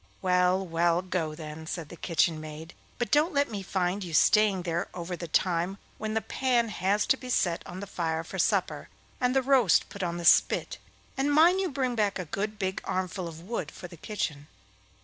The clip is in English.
'Well, well, go then!' said the kitchen maid, 'but don't let me find you staying there over the time when the pan has to be set on the fire for supper, and the roast put on the spit; and mind you bring back a good big armful of wood for the kitchen.